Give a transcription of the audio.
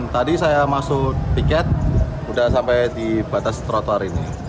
tadi saya masuk tiket sudah sampai di batas trotoar ini